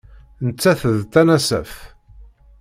Nettat d tanasaft.